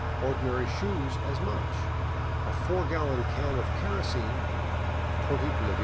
; ordinary shoes, as much ; a four gallon can of kerosene, 20 Bis.